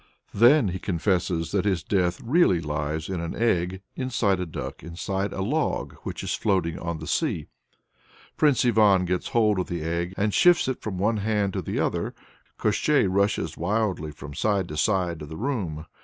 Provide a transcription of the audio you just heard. Then he confesses that his "death" really lies in an egg, inside a duck, inside a log which is floating on the sea. Prince Ivan gets hold of the egg and shifts it from one hand to the other. Koshchei rushes wildly from side to side of the room.